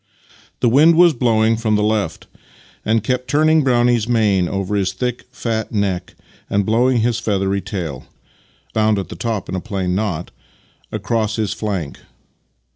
The wind was blowing from the left, and kept turning Brownie's mane over his thick, fat neck and blowing his feathery tail, — bound at the top in a plain knot, — across his flank.